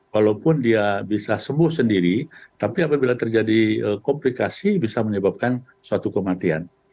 walaupun dia bisa sembuh sendiri tapi apabila terjadi komplikasi bisa menyebabkan suatu kematian